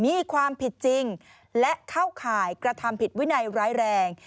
มีความผิดจริงและเข้าข่ายกระทำผิดวินัยร้ายแรง